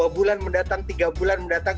dua bulan mendatang tiga bulan mendatang